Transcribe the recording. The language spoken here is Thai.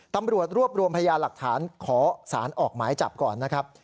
ตำรวจรวบรวมพยาหลักฐานขอสารออกหมายจับก่อนนะครับ